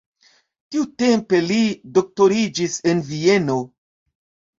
Tiutempe li doktoriĝis en Vieno.